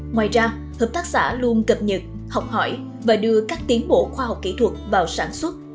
ngoài ra hợp tác xã luôn cập nhật học hỏi và đưa các tiến bộ khoa học kỹ thuật vào sản xuất